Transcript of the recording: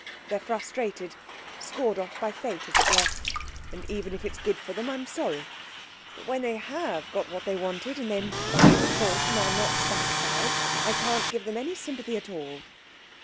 They're frustrated scored off by fate, as it were; and even if it's good for them, I'm sorry. But when they have got what they wanted, and then find fault and are not satisfied, I can't give them any sympathy at all.